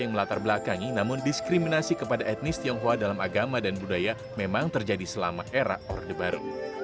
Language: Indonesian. yang melatar belakangi namun diskriminasi kepada etnis tionghoa dalam agama dan budaya memang terjadi selama era orde baru